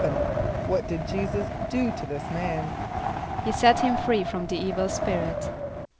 = What did J[=e]´[s+]us do to this man? =He set him free from the evil spirit.